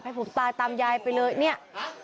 ให้ผมตายตามยายไปเลยเนี่ย